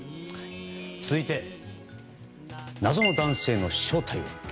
続いて、謎の男性の正体。